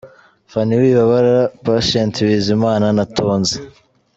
Phanny Wibabara, Patient Bizimana na Tonzi.